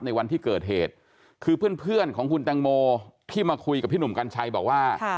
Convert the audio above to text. วันที่เกิดเหตุคือเพื่อนของคุณแตงโมที่มาคุยกับพี่หนุ่มกัญชัยบอกว่า